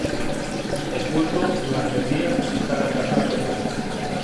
Oculto durante el día y sale a cazar de noche.